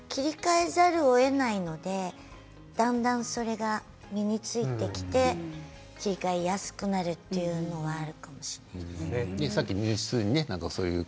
切り替えざるをえないのでだんだん、それが身についてきて切り替えやすくなるというのはあるかもしれませんね。